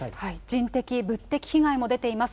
人的、物的被害も出ています。